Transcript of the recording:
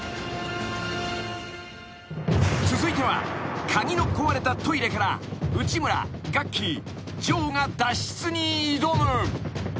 ［続いては鍵の壊れたトイレから内村ガッキー城が脱出に挑む］